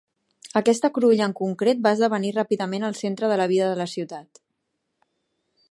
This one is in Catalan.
Aquesta cruïlla en concret va esdevenir ràpidament el centre de la vida de la ciutat.